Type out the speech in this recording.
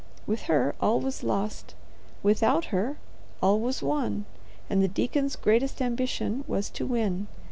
With her, all was lost; without her, all was won, and the deacon's greatest ambition was to win.